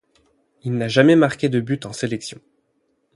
Il n'a jamais marqué de but en sélection.